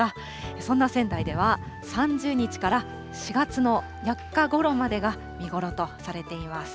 そんな仙台では３０日から４月の４日ごろまでが見頃とされています。